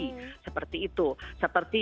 seperti yang kemarin kami lakukan pekan waralaba